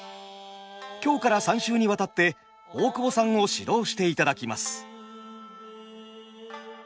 今日から３週にわたって大久保さんを指導していただきます。